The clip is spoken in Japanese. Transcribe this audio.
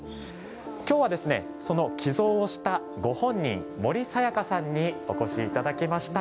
今日は、その寄贈をしたご本人森清佳さんにお越しいただきました。